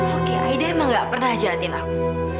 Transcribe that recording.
oke aida emang gak pernah jahatin aku